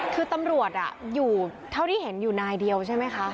คือตำรวจอยู่เท่าที่เห็นอยู่นายเดียวใช่ไหมคะ